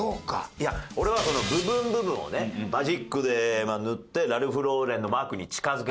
いや俺は「部分部分をねマジックで塗ってラルフローレンのマークに近付けた」。